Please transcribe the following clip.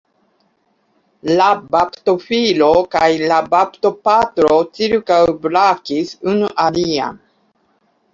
La baptofilo kaj la baptopatro ĉirkaŭbrakis unu alian.